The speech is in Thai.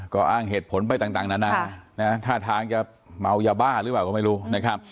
ก็อ้างเหตุผลไปต่างนานาท่าทางจะเมายาบ้าหรือเปล่าก็ไม่รู้นะครับ